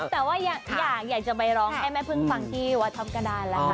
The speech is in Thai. แต่ว่าอยากจะไปร้องให้แม่พึ่งฟังที่วัดทัพกระดานแล้วค่ะ